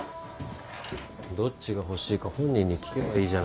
どっちが欲しいか本人に聞けばいいじゃないですか。